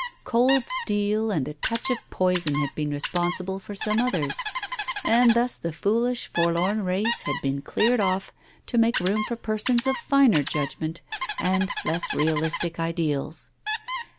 Cold steel and a touch of poison had been responsible for some others, and thus the foolish, forlorn race had been cleared off to make room for persons of finer judgment and less realistic ideals.